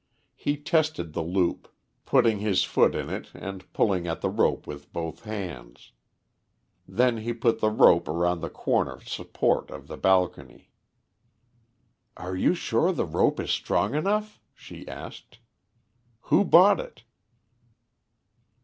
He tested the loop, putting his foot in it and pulling at the rope with both hands. Then he put the rope round the corner support of the balcony. "Are you sure the rope is strong enough?" she asked. "Who bought it?"